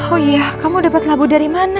oh iya kamu dapat labu dari mana